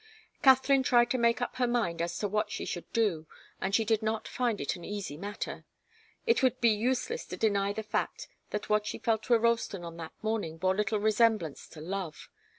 Katharine tried to make up her mind as to what she should do, and she did not find it an easy matter. It would be useless to deny the fact that what she felt for Ralston on that morning bore little resemblance to love.